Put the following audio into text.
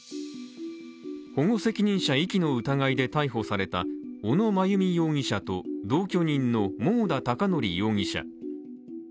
保護責任者遺棄の疑いで逮捕された小野真由美容疑者と同居人の桃田貴徳容疑者。